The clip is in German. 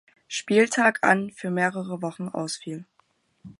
Spieltag an für mehrere Wochen ausfiel.